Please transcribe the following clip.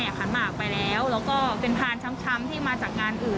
แล้วก็เป็นพาร์นช้ำที่มาจากงานอื่น